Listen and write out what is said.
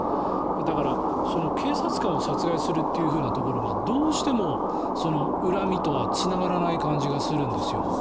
だから、警察官を殺害するというところがどうしても恨みとはつながらない感じがするんです。